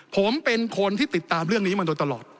ผมเป็นคนที่ติดตามเรื่องนี้มาโดยตลอด